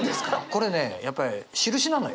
これねやっぱりしるしなのよ。